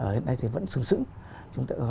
hiện nay thì vẫn sướng sững